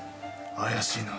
怪しいな。